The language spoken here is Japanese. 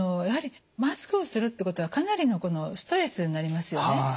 やはりマスクをするってことがかなりのストレスになりますよね。